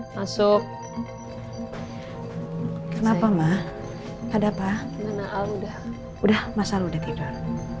masuk kenapa mah ada pak udah udah masalah udah tidur